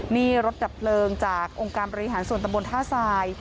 นี่รถดับเพลิงจากองค์การบริหารส่วนตำบลท่าทราย